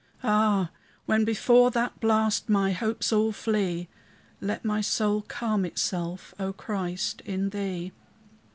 Ah! when before that blast my hopes all flee, Let my soul calm itself, O Christ, in thee!